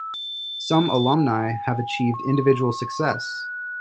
Some alumni have achieved individual success.